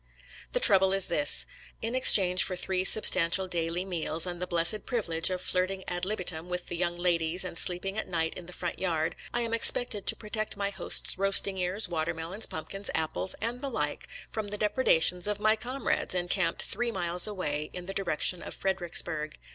The trouble is this: In exchange for three substantial daily meals, and the blessed privilege of flirting ad libitum with the young ladies and sleeping at night in the front yard, I am expected to protect my host's roasting ears, watermelons, pumpkins, apples, and the like from the depre dations of my comrades, encamped three miles away in the direction of Fredericksburg.